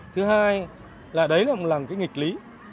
thứ hai là đấy là một cái nghịch lý